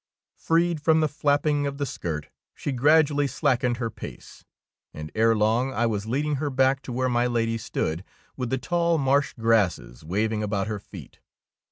Freed from the flapping of the skirt, she gradually slackened her pace, and erelong I was leading her back to where my Lady stood with the tall marsh grasses wav ing about her feet.